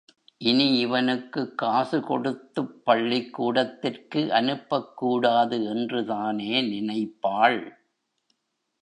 இனி இவனுக்குக் காசு கொடுத்துப் பள்ளிக்கூடத்திற்கு அனுப்பக் கூடாது என்றுதானே நினைப்பாள்?